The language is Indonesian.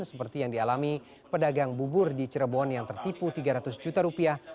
seperti yang dialami pedagang bubur di cirebon yang tertipu tiga ratus juta rupiah